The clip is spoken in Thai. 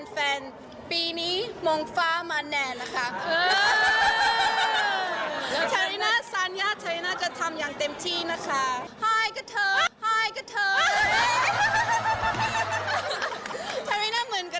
ชาลิน่ามืนกะเท๋อนะคะชาลิน่ามืนกะเท๋อนะคะ